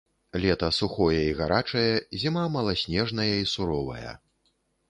Лета сухое і гарачае, зіма маласнежная і суровая.